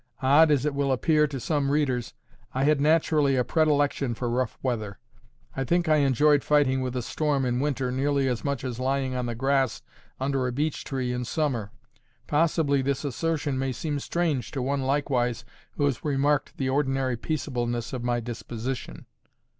Odd as it will appear to some readers, I had naturally a predilection for rough weather. I think I enjoyed fighting with a storm in winter nearly as much as lying on the grass under a beech tree in summer. Possibly this assertion may seem strange to one likewise who has remarked the ordinary peaceableness of my disposition.